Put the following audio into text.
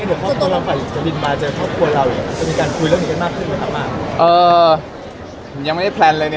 เออยังไม่ได้ยังไม่ได้แพลนเลยเนี่ย